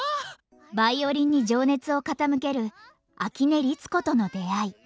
ヴァイオリンに情熱を傾ける秋音律子との出会い。